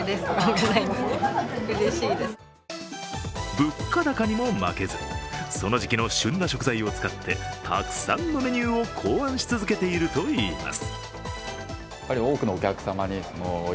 物価高にも負けず、その時期の旬な食材を使ってたくさんのメニューを考案し続けているといいます。